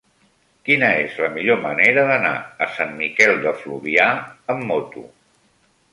Quina és la millor manera d'anar a Sant Miquel de Fluvià amb moto?